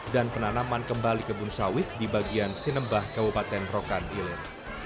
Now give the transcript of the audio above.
dan penanaman kembali ke bunsawit di bagian sinembah kabupaten rokan ilir